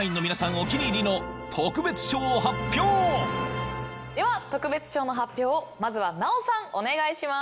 お気に入りの特別賞を発表］では特別賞の発表をまずはナヲさんお願いします。